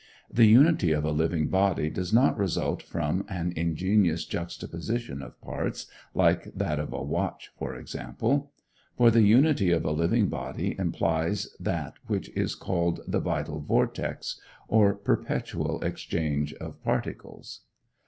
The unity of a living body does not result from an ingenious juxtaposition of parts, like that of a watch, for example. For the unity of a living body implies that which is called "the vital vortex," or perpetual exchange of particles.